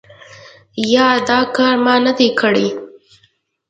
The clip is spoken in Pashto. یا دا کار ما نه دی کړی ؟